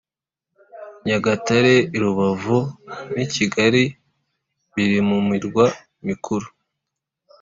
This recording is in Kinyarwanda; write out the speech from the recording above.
nyagatare i rubavu n i kigali biri mu mirwa mikuru